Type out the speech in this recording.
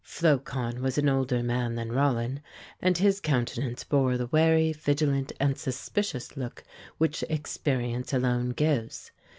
Flocon was an older man than Rollin, and his countenance bore the wary, vigilant and suspicious look which experience alone gives.